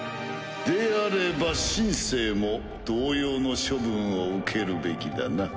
であれば「シン・セー」も同様の処分を受けるべきだな。